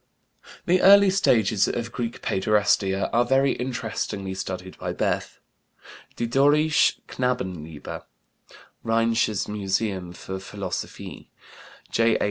The early stages of Greek paiderastia are very interestingly studied by Bethe, "Die Dorische Knabenliebe," Rheinisches Museum für Philologie, 1907. J.A.